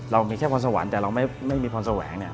เรามีแค่พรสวรรค์แต่เราไม่มีพรแสวงเนี่ย